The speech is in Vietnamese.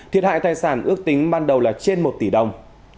thiệt hại tài sản ước tính ban đầu là trên một tỷ đồng